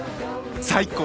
最高。